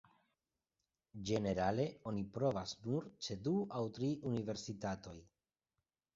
Ĝenerale oni provas nur ĉe du aŭ tri universitatoj.